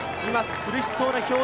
苦しそうな表情。